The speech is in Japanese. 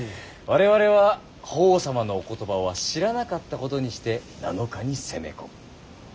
我々は法皇様のお言葉は知らなかったことにして７日に攻め込む。